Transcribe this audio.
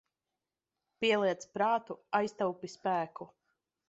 Pieliec prātu, aiztaupi spēku.